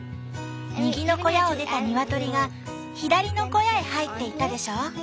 右の小屋を出たニワトリが左の小屋へ入っていったでしょ？